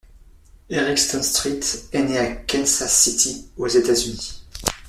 Eric Stonestreet est né à Kansas City aux États-Unis.